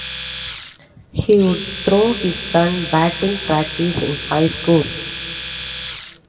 He would throw his son batting practice in high school.